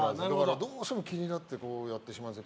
どうしても気になってこうやってしまうんです。